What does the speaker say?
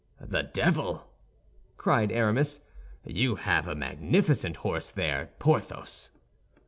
"The devil!" cried Aramis, "you have a magnificent horse there, Porthos."